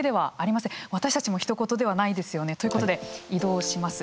私たちもひと事ではないんですよね。ということで移動します。